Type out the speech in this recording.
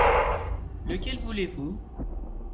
Lequel voulez-vous ?